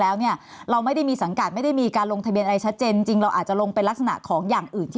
ถ้าเกิดเราไม่แร็กรับข้อความความว่าคุณสมบัติไม่ตรงตามเกณฑ์